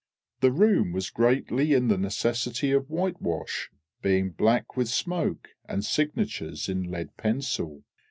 The room was greatly in the necessity of whitewash, being black with smoke and signatures in lead pencil.